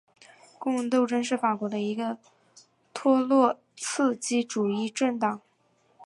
工人斗争是法国的一个托洛茨基主义政党。